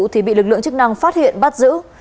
thì bị lực lượng chức năng phát hiện bắt giữ